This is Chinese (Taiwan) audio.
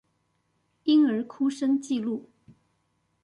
嬰兒哭聲記錄